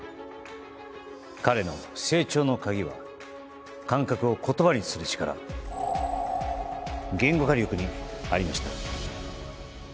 彼の成長のカギは感覚を言葉にする力言語化力にありました